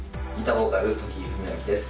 ボーカル研井文陽です